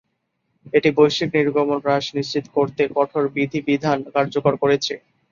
এটি বৈশ্বিক নির্গমন হ্রাস নিশ্চিত করতে কঠোর বিধিবিধান কার্যকর করেছে।